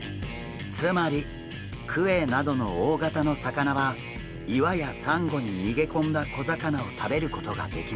つまりクエなどの大型の魚は岩やサンゴに逃げ込んだ小魚を食べることができません。